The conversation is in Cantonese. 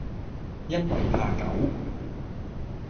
因爲怕狗，